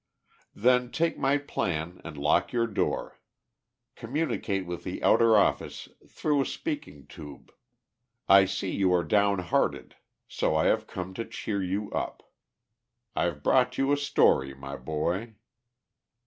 "Then take my plan, and lock your door. Communicate with the outer office through a speaking tube. I see you are down hearted, so I have come to cheer you up. I've brought you a story, my boy."